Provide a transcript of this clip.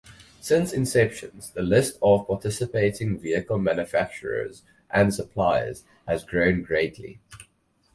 Since inception the list of participating vehicle manufacturers and suppliers has grown greatly.